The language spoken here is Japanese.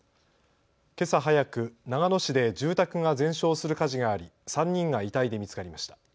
けさ早く、長野市で住宅が全焼する火事があり３人が遺体で見つかりました。